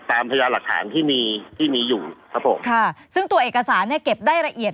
ตามพยายามหลักฐานที่มีอยู่ซึ่งตัวเอกสารเก็บได้ละเอียด